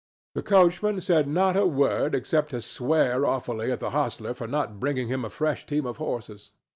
The coachman said not a word except to swear awfully at the hostler for not bringing him a fresh team of horses.